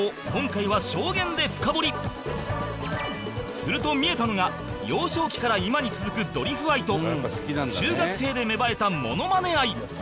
すると見えたのが幼少期から今に続くドリフ愛と中学生で芽生えたモノマネ愛